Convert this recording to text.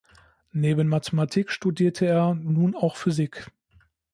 Neben Mathematik studierte er nun auch Physik.